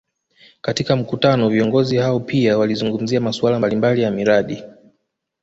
Katika mkutano viongozi hao pia walizungumzia masuala mbalimbali ya miradi